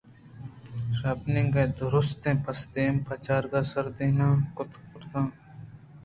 شپانکءَ درٛستیں پس دیم پہ چَرَاگ ءَ سردیئان کُت ءُ بُرتاں